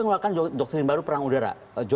mengeluarkan doktrin baru perang udara